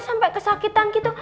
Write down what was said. sampe kesakitan gitu